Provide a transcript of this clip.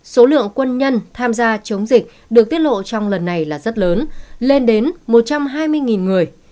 số lượng quân nhân tham gia chống dịch được tiết lộ trong lần này là rất lớn lên đến một trăm hai mươi người